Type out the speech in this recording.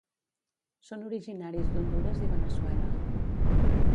Són originaris d'Hondures i Veneçuela.